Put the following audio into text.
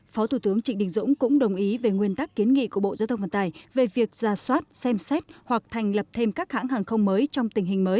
phó thủ tướng trịnh đình dũng cũng đồng ý về nguyên tắc kiến nghị của bộ giao thông vận tải về việc ra soát xem xét hoặc thành lập thêm các hãng hàng không mới trong tình hình mới